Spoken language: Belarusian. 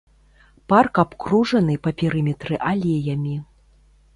Парк абкружаны па перыметры алеямі.